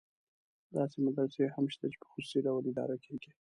داسې مدرسې هم شته چې په خصوصي ډول اداره کېږي.